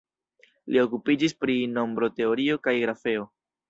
Li okupiĝis pri nombroteorio kaj grafeo.